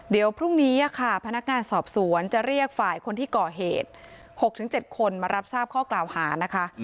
เดี๋ยวพรุ่งนี้ค่ะพนักงานสอบสวนจะเรียกฝ่ายคนที่ก่อเหตุ๖๗คนมารับทราบข้อกล่าวหานะคะ